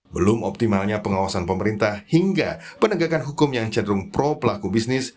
belum optimalnya pengawasan pemerintah hingga penegakan hukum yang cenderung pro pelaku bisnis